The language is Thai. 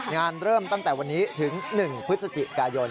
เริ่มตั้งแต่วันนี้ถึง๑พฤศจิกายน